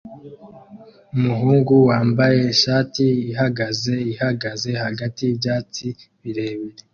Umuhungu wambaye ishati ihagaze ihagaze hagati yibyatsi birebire